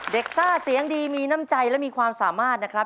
ซ่าเสียงดีมีน้ำใจและมีความสามารถนะครับ